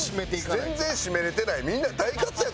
全然シメれてない。